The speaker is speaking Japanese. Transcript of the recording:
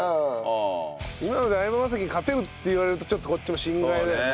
今ので「相葉雅紀に勝てる」って言われるとちょっとこっちも心外だよね。